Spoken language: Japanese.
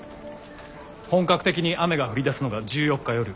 本格的に雨が降りだすのが１４日夜。